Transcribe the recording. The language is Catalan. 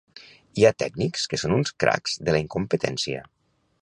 Hi ha tècnics que són uns cracs de la incompetència